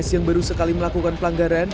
yang baru sekali melakukan pelanggaran